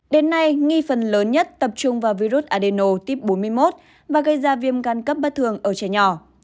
đến nay nghi phần lớn nhất tập trung vào virus adeno tuyếp bốn mươi một và gây ra viêm gan cấp bất thường ở trẻ nhỏ